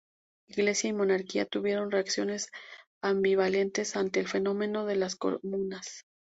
Iglesia y monarquía tuvieron reacciones ambivalentes ante el fenómeno de las comunas.